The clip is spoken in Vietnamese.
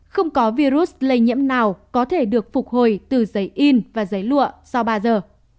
không có virus lây nhiễm nào có thể được phục hồi từ giấy in và giấy lụa sau ba giờ